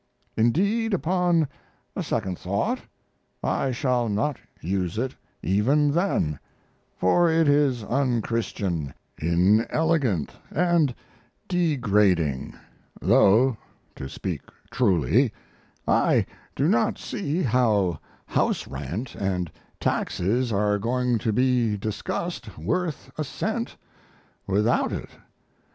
Indeed, upon a second thought, I shall not use it even then, for it is unchristian, inelegant, and degrading; though, to speak truly, I do not see how house rent and taxes are going to be discussed worth a cent without it.